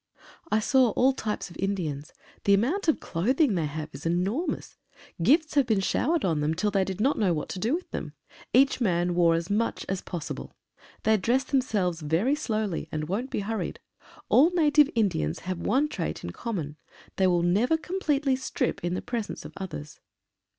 I saw all types of Indians. The amount of clothing they have is enormous. Gifts have been showered on them till they did not know what to do with them. Each man wore as much as possible. They dress themselves very slowly, and won't be hur ried. All native Indians have one trait in common — they will never completely strip in the presence of others.